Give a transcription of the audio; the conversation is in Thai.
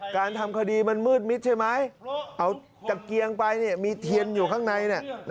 การทำคดีมันมืดมิดใช่ไหมเอาตะเกียงไปมีเทียนอยู่ข้างใน